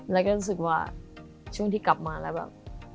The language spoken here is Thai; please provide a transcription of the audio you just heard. แล้วก็รู้สึกว่าช่วงที่กลับมาแล้วแบบ